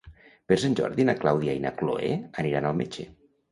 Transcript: Per Sant Jordi na Clàudia i na Cloè aniran al metge.